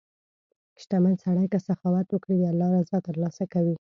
• شتمن سړی که سخاوت وکړي، د الله رضا ترلاسه کوي.